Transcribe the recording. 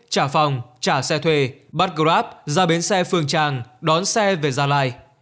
trả phòng trả xe thuê bắt grab ra bến xe phương tràng đón xe về gia lai